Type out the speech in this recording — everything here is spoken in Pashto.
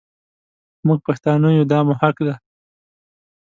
مونږ پښتانه يو دا مو حق دی.